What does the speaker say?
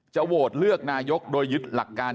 โหวตเลือกนายกโดยยึดหลักการ